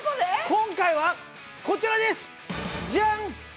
今回はこちらです！じゃん！